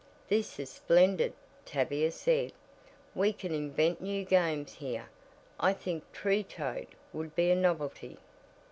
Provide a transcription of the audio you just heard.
"This is splendid," Tavia said. "We can invent new games here. I think 'tree toad' would be a novelty."